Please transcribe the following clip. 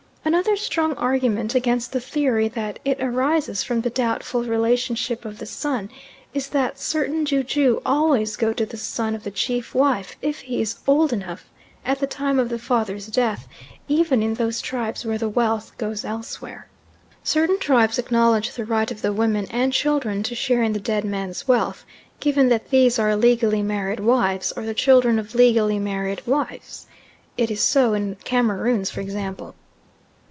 Another strong argument against the theory that it arises from the doubtful relationship of the son, is that certain ju ju always go to the son of the chief wife, if he is old enough, at the time of the father's death, even in those tribes where the wealth goes elsewhere. Certain tribes acknowledge the right of the women and children to share in the dead man's wealth, given that these are legally married wives, or the children of legally married wives; it is so in Cameroons, for example.